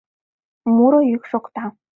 Муро йӱк шокта.